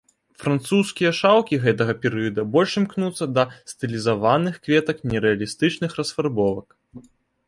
Французскія шаўкі гэтага перыяду больш імкнуцца да стылізаваных кветак нерэалістычных расфарбовак.